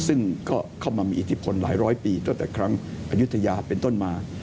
ซึ่งก็เข้ามามีอิทธิพลหลายร้อยปีตั้งแต่ครั้งอายุทยาเป็นต้นมา